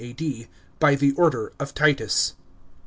by the order of Titus.